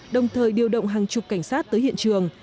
đồng thời điều động hàng chục cảnh sát tới hiện trường